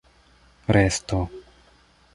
resto